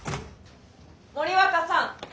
森若さん！